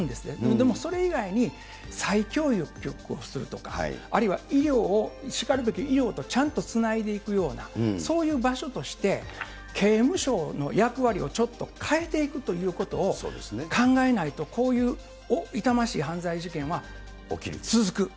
でもそれ以外に、再教育をするとか、あるいは医療をしかるべき医療とちゃんとつないでいくような、そういう場所として、刑務所の役割をちょっと変えていくということを考えないと、こういう痛ましい犯罪事件は続く。